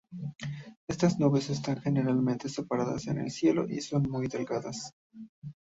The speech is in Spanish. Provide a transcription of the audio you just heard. Estas nubes están generalmente separadas en el cielo y son muy delgadas.